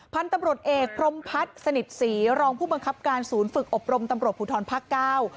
พันธุ์ตำรวจเอกพรมพัฒน์สนิทศรีรองผู้บังคับการศูนย์ฝึกอบรมตำรวจภูทรภาคเก้า